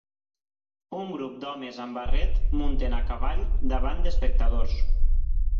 Un grup d'homes amb barret munten a cavall davant d'espectadors.